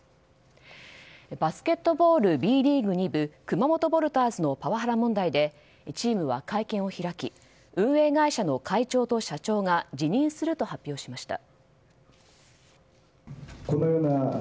バスケットボールＢリーグ２部熊本ヴォルターズのパワハラ問題でチームは会見を開き運営会社の会長と社長が辞任すると発表しました。